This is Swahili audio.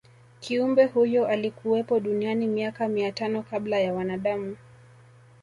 kiumbe huyo alikuwepo duniani miaka mia tano kabla ya wanadamu